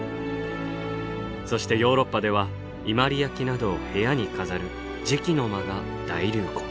そしてヨーロッパでは伊万里焼などを部屋に飾る磁器の間が大流行。